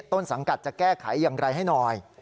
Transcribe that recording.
ต้นสังกัดจะแก้ไขอย่างไรให้หน่อย